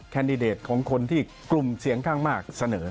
แนตของคนที่กลุ่มเสียงข้างมากเสนอ